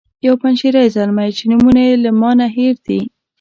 یو پنجشیری زلمی چې نومونه یې له ما نه هیر دي.